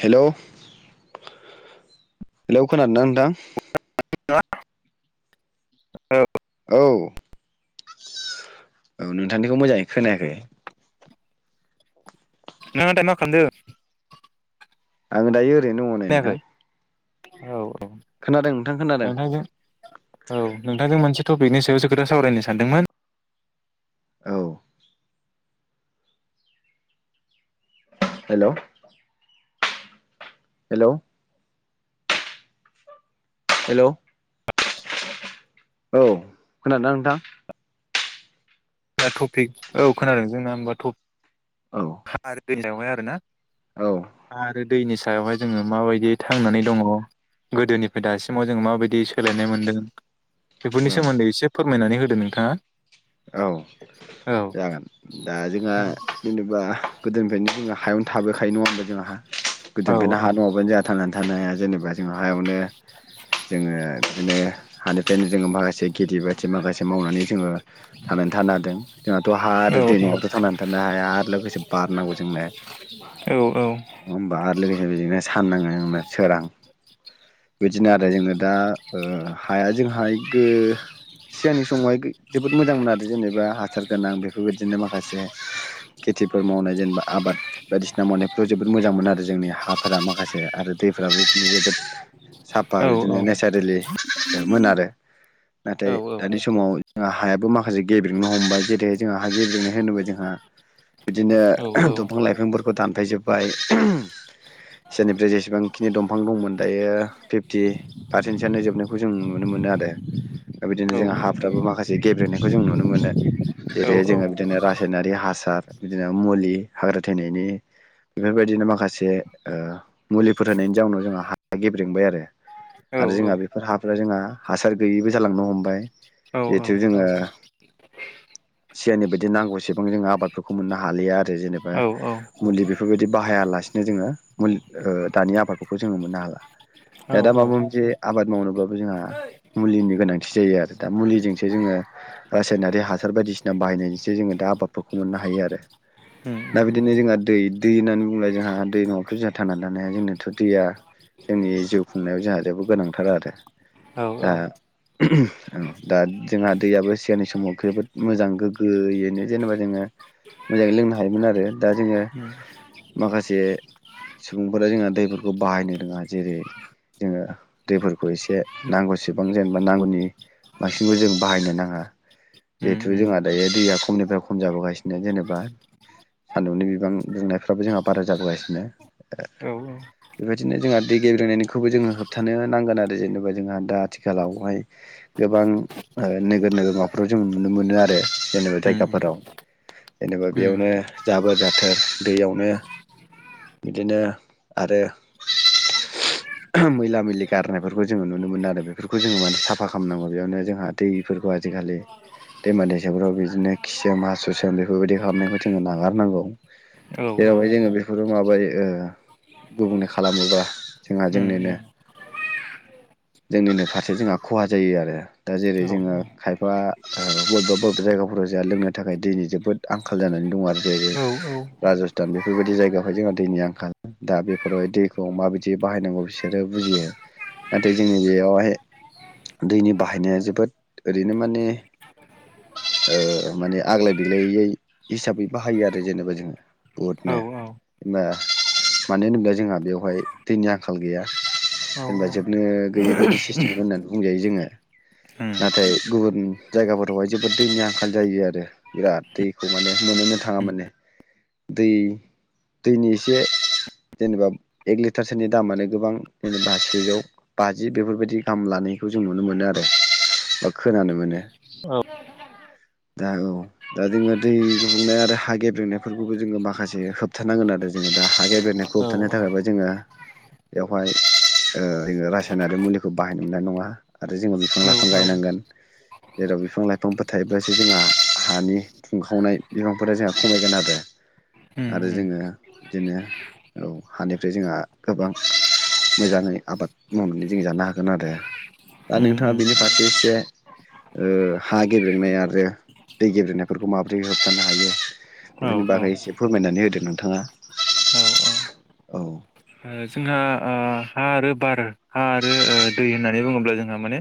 Hello hello खोनादोंना नोंथां। [inaudible] औ औ नोंथांनिखौ मोजाङै खोनायाखै। नों दायो मा खालामदों। आं दायो ओरैनो दं नै नोंथां। खोनायाखै औ खोनादों नोंथां औ खोनादों नोंथां औ नोंथांजों मोनसे टपिकनि सायावसो खोथा सावरायनो सानदोंमोन। औ हेलौ हेलौ हेलौ औ खोनादोंना नोंथां। टपिक औ खोनादों जोंना औ होनबा आरोना। औ आरो दैनि सायावहाय जोङो माबायदि थांनानै दङ। गोदोनिफाय दासिमाव जों माबायदि सोलायनाय मोनदों। बेफोरनि औ सोमोन्दै एसे फोरमायनानै होदो नोंथाङा। औ औ जागोन दा जोंहा जेनेबा गोदोनिफ्रायनो जोंहा हायावनो थाबोखायो नङा होना जोंहा औ गोदोनिफायनो औ हा नङाबानो जोंहा थांनानै थानो हा जेनेबा जों हायावनो जोङो बिदिनो हानिफ्रायनो जोङो माखासे खेथि बाथि माखासे मावनानै जोङो थांनानै थानो हादों जोंहाथ' हा आरो दै नङाबाथ' थांनानै थानो हाया आरो लोगोसे बार नांगौ जोंनो औ होनोमबा आरो लोगोसे बिदिनो साननांगो होना सोरां बिदिनो आरो जोंनो ओ दा हाया जोंहाय गो सिगांनि समावहाय जोबोद मोजां मोनो आरो। जेनेबा हासार गोनां बेफोरबायदिनो माखासे खेथिफोर मावनाय जेनेबा आबाद बायदिसिना मावनायफ्राव जोबोद मोजां मोन आरो जोंनि हाफोरा माखासे आरो दैफोराबो बिदिनो जोबोद साफा औ बिदिनो नेसारेलि मोन आरो औ नाथाय दानि समाव जोंहा हायाबो माखासे गेबेंनो हमबाय जेरैहाय जोंहा हा गेबेंनाय होनोब्ला जोंहा बिदिनो औ ओह दंफां लाइफांफोरखौ दानफायजोब्बाय उमह सिगांनिफ्राय जेसेबांखिनि दंफां दंमोन दायो फिफटि पारसेन्टसोआनो जोबनायखौ जों नुनो मोनो मोनो आरो दा बिदिनो जों औ हाफ्राबो माखासे गेब्रेनायखौ जों नुनो मोनो। जेरै जोंङो बिदिनो रासायनारि हासार बिदिनो मुलि हाग्रा थैनायनि बेफोरबायदिनो माखासे ओ मुलिफोर होनायनि जाउनाव जोंहा हाया गेब्रेेंबाय आरो आरो जोंहा बेफोर हाफोरा जोंहा हासार गैयैबो जालांनो हमबाय जिहेथु जोंङो सिगांनि बायदि नांगौसेबां जों आबादफोरखौ मोननो हालिया आरो जेनेबा मलि बेफोरबायदि बाहायालासिनो जोंङो मुलि दानि आबादफोरखौ जोंङो मोननो हाला। औ दा दा माबा मोनसे आबाद मावनोबाबो जोंहा मुलिनि गोनांथि जायो आरो दा मुलिजोंसो जोंङो रासायनारि हासार बायदिसिना बाहायनायजोंसो जोंङो दा आबादफोरखौ मोननो हायो आरो। औ दा औ बिदिनो जोंहा दै दै होननानै बुंल जोंहा दै नंङाबाथ' जोंहा थांनानै थानो हा जोंनाथ' दैया जोंनि जिउ खुंनायाव जोंहा जोबोद गोनांथार आरो औ दा उमह उमह दा जोंहा दैयाबो सिगांनि समाव जोबोद मोजां गोग्गोयैनो जेनेबा जोंङो मोजांङै लोंनो हायोमोन आरो दा जोंङो उम माखासे सुबुंफोरा जोंहा दैफोरखौ बाहायनो रोंङा जेरै जोंङो दैफोरखौ एसे नांगौसेबां जेनेबा नांगौनि बांसिनखौ जों बाहायनो नांङा उम जिहेथु उम जोंहा दायो दैया खमनिफ्राय खम जाबोगासिनो जेनेबा सान्दुंनि बिबां दुंनायफ्राबो जोंहा बारा जाबोगासिनो ओ औ बेबायदिनो जोंहा दै गेब्रेनायनिखौबो जोंङो होबथानो नांगोन आरो जेनेबा जोंहा दा आथिखालावहाय गोबां ओ नोगोर नोगमाफोराव जों नुनो मोनो आरो जेनेबा उम जायगाफोराव जेनेबा उम बेयावनो जाबो जाथार दैयावनो बिदिनो आरो औ ओहोह मैला मैलि गारनायफोरखौ जोंङो नुनो मोनो आरो बेफोरखौ जोंङो माने साफा खालामनांगौ बेयावनो जोंहा दैफोरखौ आजिखालि दैमा दैसाफ्राव बिदिनो खिसोम हासुसोम बेफोरबायदि खालामनायखौ जोंङो नागारनांगौ औ जेरावहाय जोंङो बेफोर माबायो ओ गुबुंले खालामोबा जोंहा उम जोंनोनो उम जोंनिनो फारसे जोंहा खहा जायो आरो दा जेरै औ औ जोंङो खायफा ओ बबेबा बबेबा जायगाफोराव जोंहा लोंनो थाखाय दैनि जोबोद आंखाल जानानै दं आरो औ औ राज स्थान बेफोरबायदि जायगायावहाय जोंहा दैनि आंखाल दा बेफोरावहाय दैखौ माबायदि बाहायनांगौ बिसोरो बुजियो नाथाय जोंनि बेयावहाय दैनि बाहायनाया जोबोद ओरैनो माने [inaudible] ओ माने आग्लाय दिग्लायै हिसाबै बाहायो आरो जेनेबा जोंङो औ औ उम औ [unintelligible] मानो होनोब्ला जोंहा बेवहाय दैनि आंखाल गैया औ जेनेबा जोब नो गैयि बायदि सिस्टिम होननानै बुंजायो जोंङो नाथाय गुबुन जायगाफोरावहाय जोबोद दैनि आंखाल जायो आरो बिराद दैखौ माने मोननोनो थांङा माने दै दैनि एसे जेनेबा एक लिटारसोनि दामानो गोबां जेनबा सेजौ बाजि बेफोरबायदि गाहाम लानाय बिखौ जों नुनो मोनो आरो बा खोनानो मोनो औ दा औ दा जोंंङो दै गुबुंनाय आरो हा गेब्रेंनायफोरखौबो जोंङो माखासे होबथानांगोन आरो जोंङो दा हा गेब्रेनायखौ होबथानो थाखायबो जोंङो बेवहाय ओ रासायनारि मुलिखौ बाहायनो मोननाय नङा आरो जोङो बिफां- लाइफां गायनांगोन जेराव बिफां- लाइफांफोर थायोब्लासो जोंहा हानि खुंखावनाय बिफांफोरा जोंहा खमायगोन आरो आरो उम उम जोङो बिदिनो औ हानिफ्राय जोंहा गोबां मोजाङै आबाद मावनानै जों जानो हागोन आरो दा नोंथाङा उम औ बिनि फारसे एसे ओ हा गेब्रेंनाय आरो दै गेब्रेंनायफोरखौ माबोरै होबथानो हायो औ बेफोरनि बागै एसे फोरमायनानै होदो नोंथाङा औ - औ औ ओ जोंहा ओ हा आरो बार हा आरो दै होननानै बुङोब्ला जोंहा माने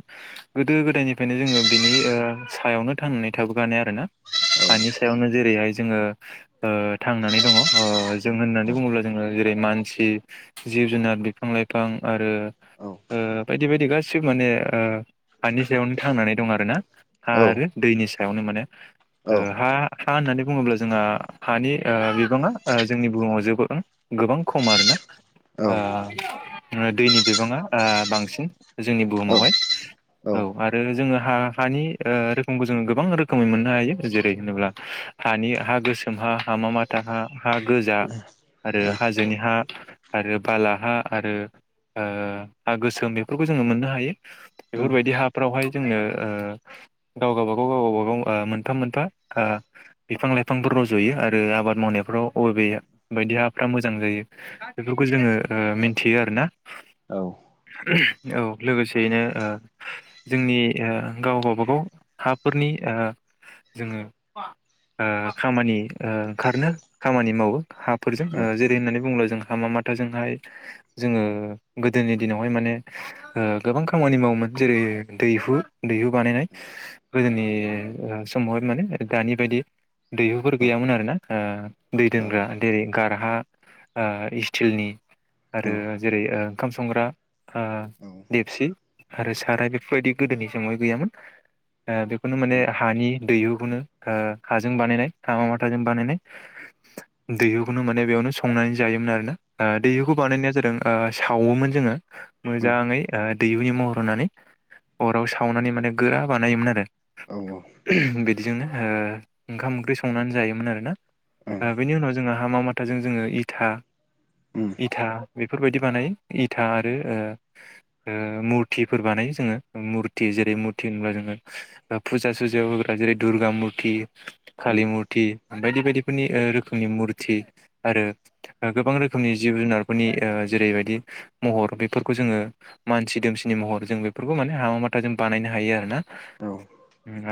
गोदो -गोदायनिफ्रायनो जोङो ओ बिनि सायावनो थांनानै थाबोखानाय आरोना हानि सायावनो जेरैहाय जोङो ओ थांनानै दङ ओ जों होननानै बुङोब्ला जोङो जेरै मानसि जिब- जुनार, बिफां -लाइफां आरो औ ओ बायदि बायदि गासिबो माने ओ हानि सायावनो थांनानै दं आरोना हा औ आरो दैनि सायावनो माने औ ओ हा हा होननानै बुङोब्ला जोंहा हानि ओ बिबाङा जोंनि बुहुमाव जबो गोबां खम आरोना औ ओ दैनि बिबाङा बांसिन जोंनि बुहुमावहाय औ आरो जोङो हा हानि रोखोमखौ जोङो गोबां रोखोमै मोननो हायो जेरै होनोब्ला हानि हा गोसोम हा हामा माथा हा हा गोजा आरो हाजोनि हा आरो बालाहा आरो ओ हा गोसोम बेफोरखौ जोङो मोननो हायो बेफोरबायदि हाफ्रावहाय जोंनो ओ गाव गबागाव गाव गबागाव मोनफा- मोनफा ओ बिफां- लाइफांफोर रज'यो आरो आबाद माव मावनायफ्राव अबे बायदि हाफ्रा मोजां जायो बेफोरखौ जोङो ओ मिन्थियो आरो ना औ [unintelligible] औ लोगोसेयैनो जोंनि गाव बागाव हाफोरनि ओ जोङो ओ खामानि ओ ओंखारनो खामानि मावो हाफोरजों जेरै होननानै बुङोब्ला जों हामा माथाजोंहाय जोङो गोदोनि दिनावहाय माने ओ गोबां खामानि मावोमोन जेरै दैहु -दैहु बानायनाय गोदोनि समावहाय माने दानि बायदि दैहुफोर गैयामोन आरोना ओ दै दोनग्रा जेरै गारहा ओ सिटिलनि आरो जेरै ओंखाम संग्रा ओ देबसि आरो साराय बेफोरबायदि गोद गोदनि समावहाय गैयामोन ओ बेखौनो माने हानि दैहुखौनो ओ हाजों बानायनाय हा माथाजों बानायनाय दैहुखौनो माने बेयावनो संनानै जायोमोन आरो दैहुखौ बानायनाया जादों ओ सावोमोन जोङो मोजाङै दैहुनि महर होनानै अराव सावनानै माने गोरा बानायोमोन आरो औ बिदिजोंनो ओंखाम -ओंख्रि संनानै जायोमोन आरोना बेनि उनाव जोंहा हामा माथाजों जोङो इथा- इथा बेफोरबायदि बानायो इथा आरो मुरथिफोर बानायो जोङो मुरथि जेरै मुरथि होनोबा जोङो फुजा सुजायाव होग्रा जेरै दुर्गा मुरथि कालि मुरथि बायदि बायदिफोरनि रोखोमनि मुरथि आरो गोबां रोखोमनि जिब- जुनारफोरनि जेरैबायदि महर बेफोरखौ जोङो मानसि दोमसिनि महर जों बेफोरखौ माने हाबा माथा जों बानायनो हायो आरोना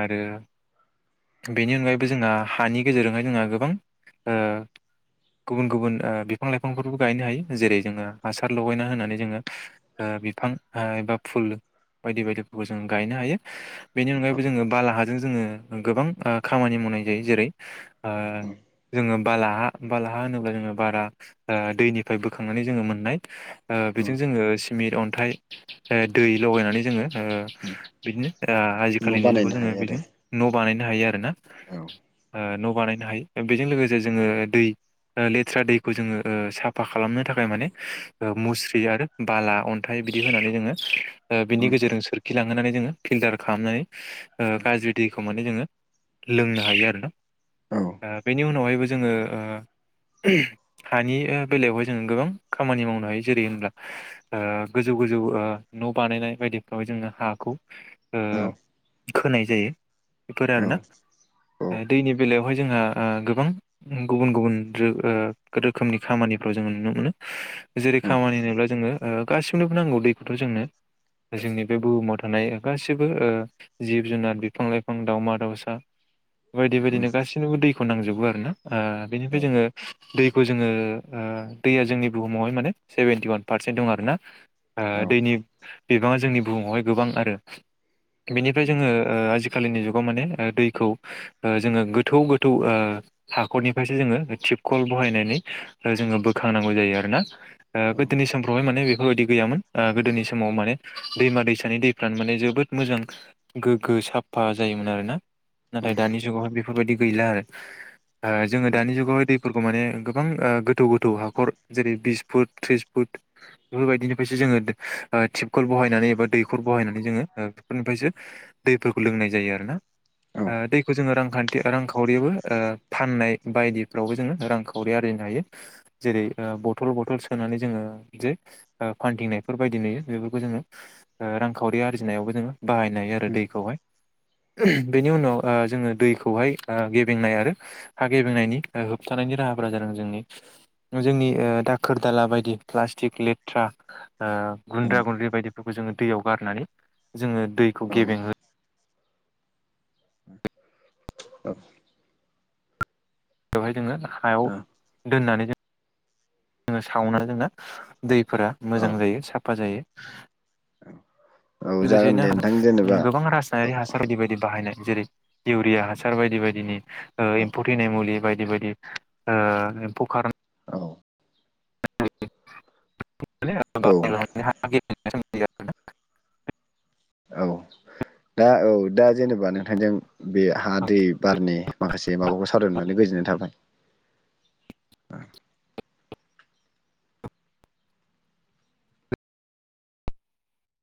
आरो बेनि अनगायैबो जोंहा हानि गेजेरजोंहाय जोंहा गोबां गुबुन- गुबुन बिफां - लाइफांफोरबो गायनो हायो जेरै जोङो हासार लगायना होनानै जोङो बिफां एबा फुल बायदि बायदिफोरखौ जों गायनो हायो बेनि अनगायैबो जोङो बाला हाजों जों जोङो गोबां खामानि मावनाय जायो जेरै जोङो बाला हा बालाहा होनोब्ला जोङो बारा दैनिफ्राय बोखांनानै जोङो मोननाय बेजों जोङो सिमेन्ट अन्थाइ दै लगायनानै जोङो बिदिनो न' आजिखालिनि बानायनो जुगाव जोङो हायो बि न' बानाय ह आरोना आरो न' बानायनो हायो बेजों लोगोसे जोङो दै लेथ्रा दै खौ जोङो साफा खालामनो थाखाय माने मुस्रि आरो बाला अन्थाइ बिदि होनानै जोङो औ बिनि गेजेरजों सोरखिलांहोनानै जोङो फिल्टार खालामनानै औ गाज्रि दैखौ माने जोङो लोंनो हायो आरोना औ बेनि उनावहायबो जोङो हानि बेलायावहाय जोङो गोबां खामानि मावनो हायो जेरै होनब्ला गोजौ गोजौ न' बानायनाय बायदिफ्राव जोङो हाखौ औ खोनाय जायो बेफोरो आरोना। दैनि बेलायावहाय जोंहा गोबां गुबुन गुबुन रोखोमनि खामानिफ्राव जों नुनो मोनो जेरै खामानि होनोब्ला जोङो गासिमनोबो नांगौ दैखौथ' जों नो जोंनि बे बुहुमाव थानाय गासिबो जिब जुनार बिफां लाइफां दावमा दाउसा बायदि बायदिनो गासैनोबो दैखौ नांजोबो आर ना बेनिफ्राय जोङो दैखौ जोङो दैया जोंनि बुहुमावहाय माने सेभेेनटि वान पारसेन्ट दं आरोना। औ दैनि बिबाङा जोंनि बुहुमावहाय गोबां आरो। बेनिफ्राय जोङो आजिखालिनि जुगाव माने दैखौ जोङो गोथौ गोथौ हाखरनिफ्रायसो जोङो थिब कल बहायनानै जोङो बोखांनांगौ जायो आरोना गोदोनि समफ्रावहाय माने बेफोरबायदि गैयामोन गोदोनि समाव माने दैमा दैसानि दैफ्रानो माने जोबोद मोजां गोग्गो साफा जायो। मोन आरो ना नाथाय दानि जुगाव बेफोर बायदि गैला आरो जोङो दानि जुगाव दै फोरखौ माने गोबां गोथौ गोथौ हाखर जेरै बिस फुट ट्रिस फुट बेफोरबायदिनिसो जों जोङो टिपखल बहायनानै एबा दैखर बहायनानै जोङो बेफोरनिफ्रायसो दैफोरखौ लोंनाय जायो। जायो आरोना दैखौ जोङो रांखान्थि रांखावरियावबो फाननाय बायदिफ्रावबो जोङो रांखावरि आरजिनो हायो जेरै बथल बथल सोनानै जोङो जे फान्दिंनाय बेफोरबायदि नुयो बेफोरखौ जोङो रांखावरि आरजिनायावबो जोङो बाहायनो हायो आरो दैखौहाय बेनि उनाव जोङो दैखौहाय गेबेंनाय आरो हा गेबेंनायनि थानायनि राहाफोरा जादों जोंनि जोंनि दाखोर दाला बायदि प्लास्टिक लेथ्रा गुन्द्रा गुन्द्रि बायदिफोरखौ जोङो दैयाव गारनानै जोङो दैखौ औ गेबेंहोयो औ। बेवहाय जोङो हायाव दोननानै जोङो सावना जोंना दैफोरा औ मोजां जायो साफा जायो। जागोन दे नोंथां जेनेबा लोगोसेयैनो गोबां रासनायारि हासार बायदि बायदि बाहायनाय। जेरै इउरिया हासार बायदि बायदिनि ओ एम्फौ थैनाय मुलि बायदि बायदि ओ खार औ औ औ [unintelligible] आ [unintelligible] दा औ दा जेनेबा नोंथांजों बे हा दै बारनि माखासे माबाखौ सावरायनो मोननानै गोजोननाय थाबाय औ [inaudible]